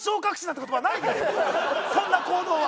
そんな行動は。